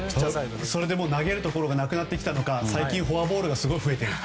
それで投げるところがなくなってきたのか最近フォアボールが増えていると。